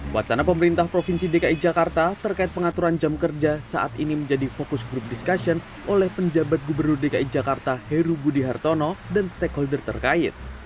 wacana pemerintah provinsi dki jakarta terkait pengaturan jam kerja saat ini menjadi fokus grup diskusi oleh penjabat gubernur dki jakarta heru budi hartono dan stakeholder terkait